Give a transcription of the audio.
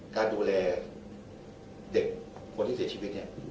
การดูแลเด็กคนที่เสียชีวิตเนี่ย